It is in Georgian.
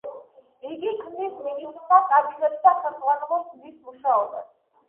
იგი ქმნის მინისტრთა კაბინეტს და ხელმძღვანელობს მის მუშაობას.